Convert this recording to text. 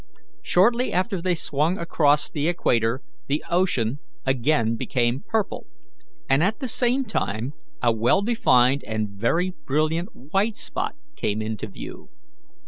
Shortly after they swung across the equator the ocean again became purple, and at the same time a well defined and very brilliant white spot came into view.